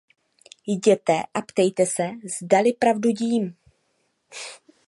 Jděte a ptejte se, zdali pravdu dím.